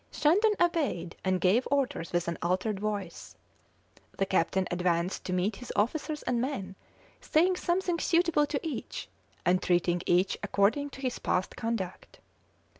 Shandon obeyed and gave orders with an altered voice. The captain advanced to meet his officers and men, saying something suitable to each, and treating each according to his past conduct.